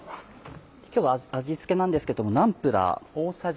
今日は味付けなんですけどもナンプラー。